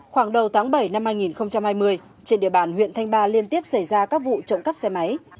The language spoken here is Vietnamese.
khoảng đầu tháng bảy năm hai nghìn hai mươi trên địa bàn huyện thanh ba liên tiếp xảy ra các vụ trộm cắp xe máy